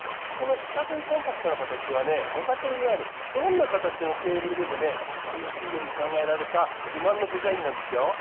この四角いコンパクトな形はご家庭にあるどんな形のテーブルでも使いやすいように考えられた自慢のデザインなんですよ。